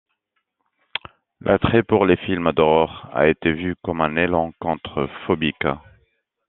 L'attrait pour les films d'horreur a été vu comme un élan contre-phobique.